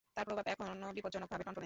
তাঁর প্রভাব এখনো বিপজ্জনকভাবে টনটনে।